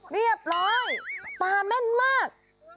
เรียบร้อยปลาแม่นมาก